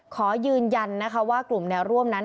ขอยืนยันนะคะว่ากลุ่มแนวร่วมนั้น